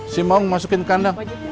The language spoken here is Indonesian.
si maung masukin ke kandang